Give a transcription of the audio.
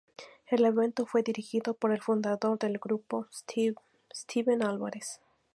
El evento fue dirigido por el fundador del grupo, Steven Álvarez.